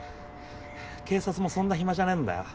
警察もそんなに暇じゃないんだよ。